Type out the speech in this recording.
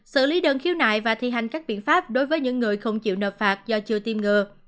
xử lý đơn khiếu nại và thi hành các biện pháp đối với những người không chịu nợ phạt do chưa tiêm ngừa